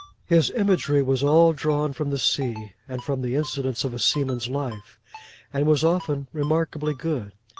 His imagery was all drawn from the sea, and from the incidents of a seaman's life; and was often remarkably good.